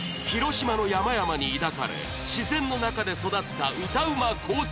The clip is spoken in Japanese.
広島の山々に抱かれ自然の中で育った歌うま高３